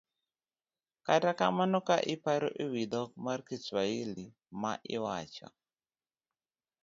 Kata kamano ka iparo e wi dhok mar Kiswahili ma iwacho,